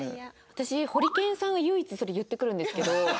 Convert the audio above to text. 私ホリケンさんは唯一それ言ってくるんですけど。